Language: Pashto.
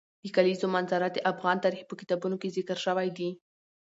د کلیزو منظره د افغان تاریخ په کتابونو کې ذکر شوی دي.